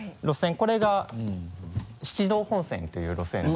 これが七道本線という路線で。